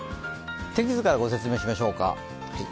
天気図からご説明しましょうか。